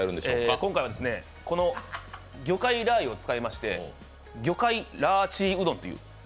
今回は、魚介ラー油を使いまして、魚介ラーチーうどん。